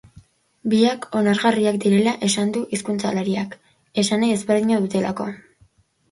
Biak onargarriak direla esan du hizkuntzalariak, esanahi ezberdina dutelako.